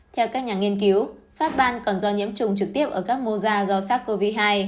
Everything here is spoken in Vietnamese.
theo các nhà nghiên cứu phát ban còn do nhiễm trùng trực tiếp ở các moza do sars cov hai